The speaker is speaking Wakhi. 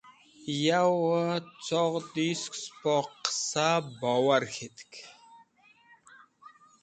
Yawẽ coghdi sẽk spo qẽsa bowor khẽtk.